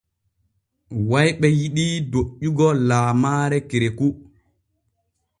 Wayɓe yiɗii doƴƴugo laamaare kereku.